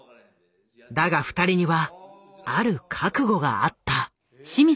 だが２人にはある覚悟があった。